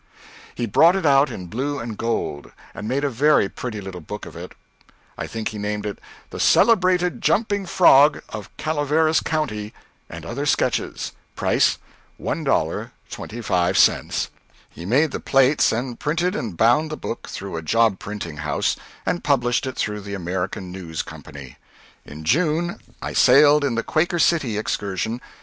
He brought it out in blue and gold, and made a very pretty little book of it, I think he named it "The Celebrated Jumping Frog of Calaveras County, and Other Sketches," price $1.25. He made the plates and printed and bound the book through a job printing house, and published it through the American News Company. In June I sailed in the Quaker City Excursion.